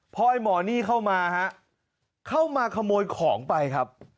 พอไอ้หมอนี่เข้ามาฮะเข้ามาขโมยของไปครับ